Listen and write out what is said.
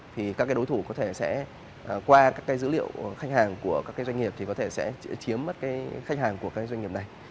thì các đối thủ có thể sẽ qua các cái dữ liệu khách hàng của các doanh nghiệp thì có thể sẽ chiếm mất cái khách hàng của các doanh nghiệp này